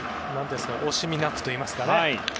惜しみなくといいますか。